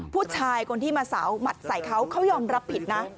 ผู้ชายคนที่มาสาวหมัดใส่เขาเขายอมรับผิดนะ